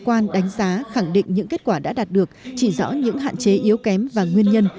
quan đánh giá khẳng định những kết quả đã đạt được chỉ rõ những hạn chế yếu kém và nguyên nhân